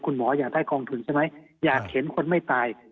หมออยากได้กองทุนใช่ไหมอยากเห็นคนไม่ตาย